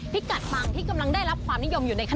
พิกัดปังที่กำลังได้รับความนิยมอยู่ในคัน